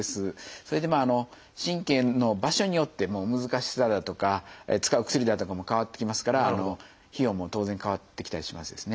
それでまあ神経の場所によっても難しさだとか使う薬だとかも変わってきますから費用も当然変わってきたりしますですね。